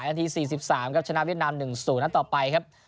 นาที๔๓ครับชนะเวียดนามหนึ่งสู่แล้วต่อไปครับ